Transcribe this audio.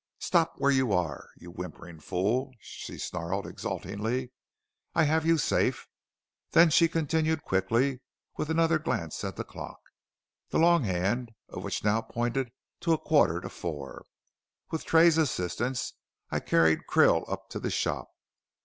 "Stop where you are, you whimpering fool!" she snarled exultingly, "I have you safe." Then she continued quickly and with another glance at the clock, the long hand of which now pointed to a quarter to four, "with Tray's assistance I carried Krill up to the shop.